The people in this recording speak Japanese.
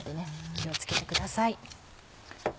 気を付けてください。